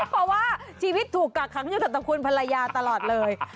เพราะว่าชีวิตถูกกักขังอยู่กับตระกูลภรรยาตลอดเลย